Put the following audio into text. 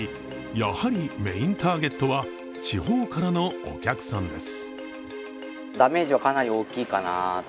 やはりメーンターゲットは地方からのお客さんです。